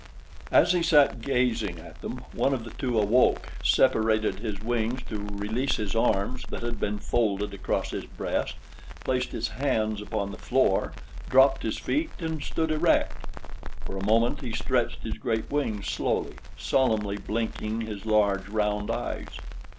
As he sat gazing at them, one of the two awoke, separated his wings to release his arms that had been folded across his breast, placed his hands upon the floor, dropped his feet and stood erect. For a moment he stretched his great wings slowly, solemnly blinking his large round eyes.